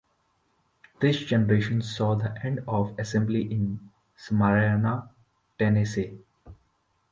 This generation saw the end of assembly in Smyrna, Tennessee.